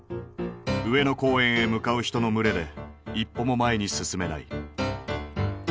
上野公園へ向かう人の群れで一歩も前に進めない。